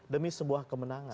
demi sebuah kemenangan